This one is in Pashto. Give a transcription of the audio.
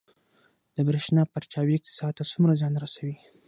د بریښنا پرچاوي اقتصاد ته څومره زیان رسوي؟